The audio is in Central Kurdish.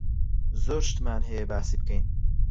زۆر شتمان هەیە باسی بکەین.